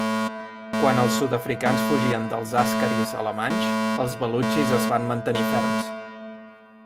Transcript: Quan els sud-africans fugien dels àscaris alemanys, els balutxis es van mantenir ferms.